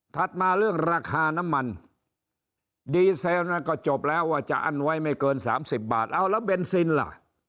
มาเรื่องราคาน้ำมันดีเซลนั้นก็จบแล้วว่าจะอั้นไว้ไม่เกิน๓๐บาทเอาแล้วเบนซินล่ะ